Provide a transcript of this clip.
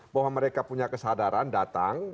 bahwa mereka punya kesadaran datang